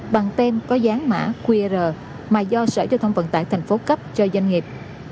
bằng tên có dán mã qr mà do sởi cho thông vận tải thành phố cấp cho doanh nghiệp